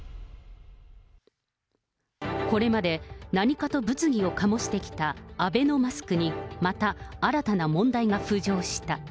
これまで、何かと物議を醸してきたアベノマスクに、また新たな問題が浮上した。